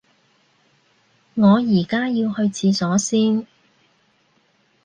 我而家要去廁所先